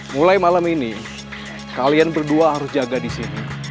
mulai malam ini kalian berdua harus jaga disini